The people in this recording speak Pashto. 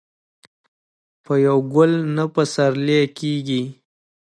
په يو ګل نه پسرلی کيږي.